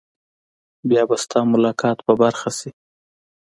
بیا به ستا ملاقات په برخه شي.